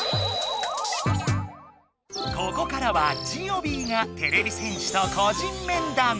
ここからはジオビーがてれび戦士と個人面談！